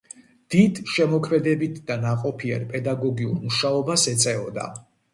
დიდს შემოქმედებით და ნაყოფიერ პედაგოგიურ მუშაობას ეწეოდა.